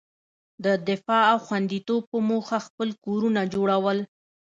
د دفاع او خوندیتوب په موخه خپل کورونه جوړول.